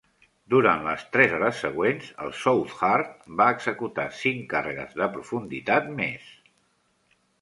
Durant les tres hores següents, el Southard va executar cinc càrregues de profunditat més.